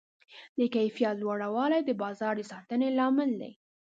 د کیفیت لوړوالی د بازار د ساتنې لامل دی.